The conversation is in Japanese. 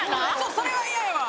それは嫌やわ。